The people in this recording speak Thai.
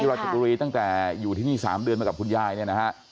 ราชบุรีตั้งแต่อยู่ที่นี่๓เดือนมากับคุณยายเนี่ยนะฮะ